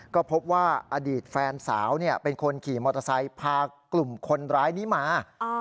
ก็พบว่าอดีตแฟนสาวเป็นคนขี่มอเตอร์ไซค์พากลุ่มคนร้ายนี้มา